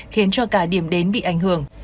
khiến cho cả điểm đến bị ảnh hưởng